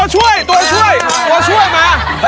ช่วยตัวช่วยตัวช่วยมา